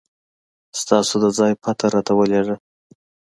ستاسو د ځای پته راته ولېږه